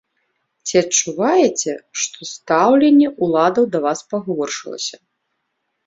Ці адчуваеце, што стаўленне ўладаў да вас пагоршылася?